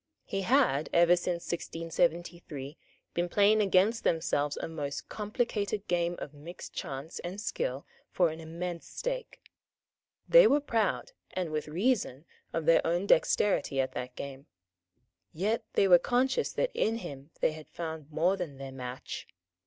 He had, ever since 1673, been playing against themselves a most complicated game of mixed chance and skill for an immense stake; they were proud, and with reason, of their own dexterity at that game; yet they were conscious that in him they had found more than their match.